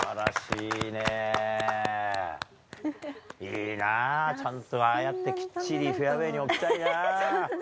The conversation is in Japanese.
いいなぁ、ちゃんとああやってきっちりフェアウエーに置きたいな。